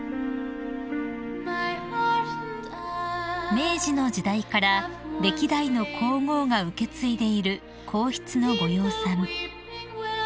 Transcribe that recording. ［明治の時代から歴代の皇后が受け継いでいる皇室のご養蚕］